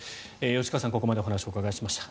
吉川さん、ここまでお話をお伺いしました。